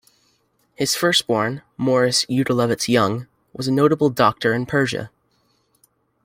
His firstborn, Morris Youdelevitz Young, was a notable doctor in Persia.